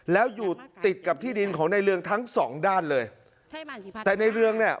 แล้วอยู่ติดกับที่ดินของในเรืองทั้งสองด้านเลยแต่ในเรืองเนี่ย